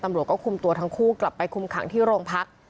ตำรวจก็คุมตัวทั้งคู่กลับไปคุมขังที่โรงพัก